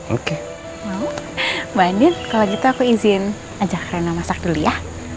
mbak andin kalo gitu aku izin ajak rena masak dulu ya